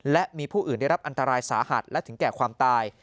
และมีผู้อื่นได้รับอันตรายสาหัสและถึงแก่ความตาย